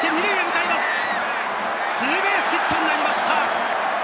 ツーベースヒットになりました！